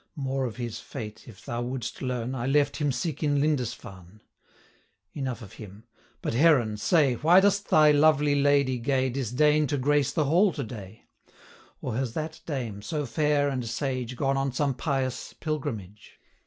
More of his fate if thou wouldst learn, I left him sick in Lindisfarn: Enough of him. But, Heron, say, 265 Why does thy lovely lady gay Disdain to grace the hall to day? Or has that dame, so fair and sage, Gone on some pious pilgrimage?'